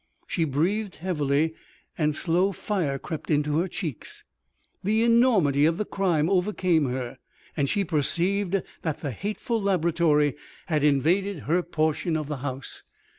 She breathed heavily and slow fire crept into her cheeks. The enormity of the crime overcame her. And she perceived that the hateful laboratory had invaded her portion of the house.